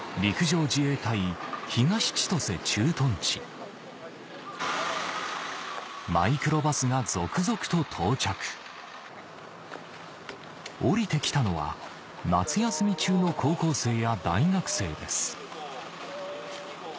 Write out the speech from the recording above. ただそこには重くのしかかる課題がマイクロバスが続々と到着降りてきたのは夏休み中の高校生や大学生です